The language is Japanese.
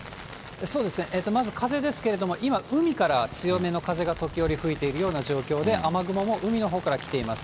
そうですね、まず風ですけれども、今、海から強めの風が時折吹いているような状況で、雨雲も海のほうから来ています。